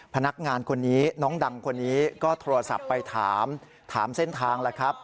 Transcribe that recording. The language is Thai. พนักงานคนนี้น้องดังคนนี้ก็โทรศัพท์ไปถามถามเส้นทางแล้วครับ